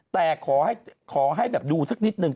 แต่ขอให้แบบดูสักนิดนึง